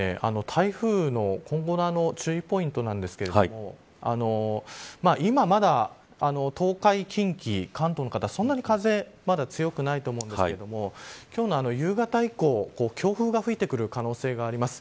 台風の今後の注意ポイントなんですけれども今まだ東海、近畿関東の方、そんなに風強くないと思うんですけれども今日の夕方以降強風が吹いてくる可能性があります。